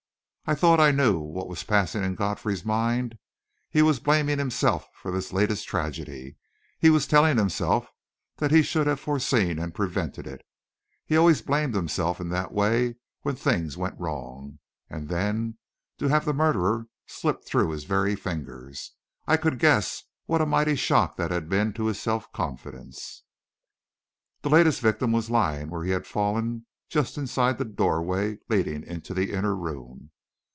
I thought I knew what was passing in Godfrey's mind: he was blaming himself for this latest tragedy; he was telling himself that he should have foreseen and prevented it; he always blamed himself in that way when things went wrong and then, to have the murderer slip through his very fingers! I could guess what a mighty shock that had been to his self confidence! The latest victim was lying where he had fallen, just inside the doorway leading into the inner room.